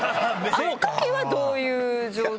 あのときはどういう状態？